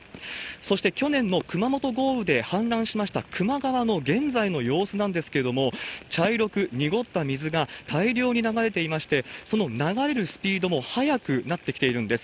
そして去年の熊本豪雨で氾濫をしました球磨川の現在の様子なんですけれども、茶色く濁った水が大量に流れていまして、その流れるスピードも速くなってきているんです。